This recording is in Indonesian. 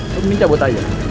lo minta buat aja